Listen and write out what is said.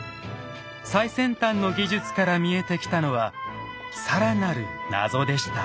最先端の技術から見えてきたのは更なる謎でした。